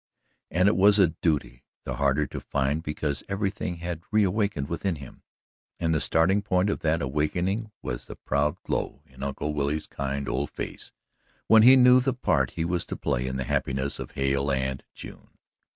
And it was a duty the harder to find because everything had reawakened within him, and the starting point of that awakening was the proud glow in Uncle Billy's kind old face, when he knew the part he was to play in the happiness of Hale and June.